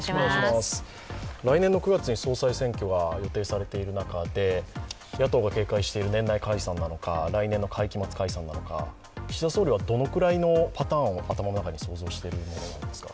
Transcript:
来年の９月に総裁選挙が予定されている中で野党が警戒している年内解散なのか、来年の会期末解散なのか、岸田総理はどのくらいのパターンを頭の中に想像しているんですか？